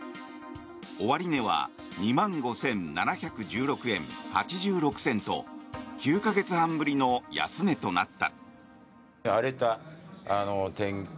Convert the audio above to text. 終値は２万５７１６円８６銭と９か月半ぶりの安値となった。